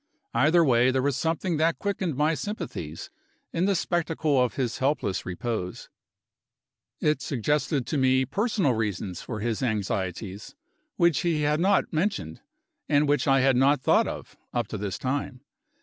Either way, there was something that quickened my sympathies, in the spectacle of his helpless repose. It suggested to me personal reasons for his anxieties, which he had not mentioned, and which I had not thought of, up to this time.